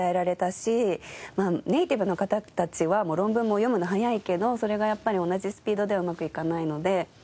まあネイティブの方たちは論文も読むの早いけどそれがやっぱり同じスピードではうまくいかないので。